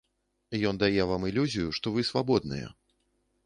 Ён дае вам ілюзію, што вы свабодныя.